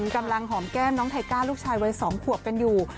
กำลังหอมแก้มน้องไทก้าลูกชายวัย๒ขวบกันอยู่